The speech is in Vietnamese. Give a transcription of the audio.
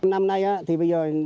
năm nay thì bây giờ